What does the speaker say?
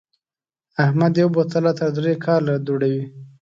احمد یو بوتل عطر درې کاله دوړوي.